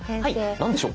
何でしょう？